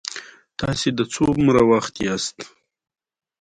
آیا ایران د کسپین سمندر حق نه غواړي؟